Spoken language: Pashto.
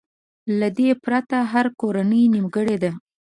له دې پرته هره کورنۍ نيمګړې ده.